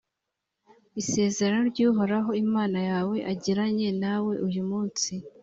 isezerano ry’uhoraho imana yawe agiranye nawe uyu munsi,